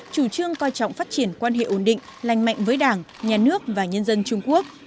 chủ trương coi trọng phát triển quan hệ ổn định lành mạnh với đảng nhà nước và nhân dân trung quốc